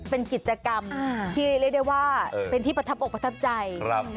เป็นกิจกรรมที่เป็นที่ผทับอกผทับใจ